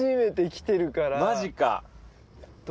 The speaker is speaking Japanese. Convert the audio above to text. マジか。